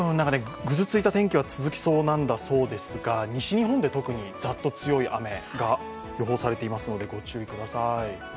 ぐずついた天気は続きそうなんですが、西日本で特にザッと強い雨が予報されていますので、ご注意ください。